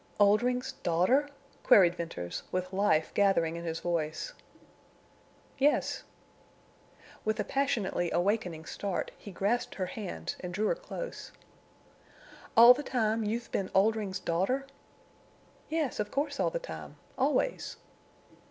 "Oldring's daughter?" queried Venters, with life gathering in his voice. "Yes." With a passionately awakening start he grasped her hands and drew her close. "All the time—you've been Oldring's daughter?" "Yes, of course all the time—always."